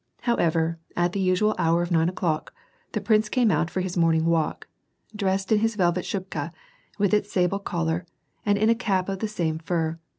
However, at the usual hour of nine o'clock, the j)rince came out for his morning w^alk, dressed in his velvet shubka with its sable collar, and in a cap of the same fur.